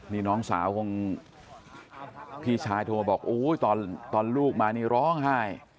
นี่น้องสาวคงพี่ชายโทรมาบอกโอ้ยตอนลูกมานี่ร้องไห้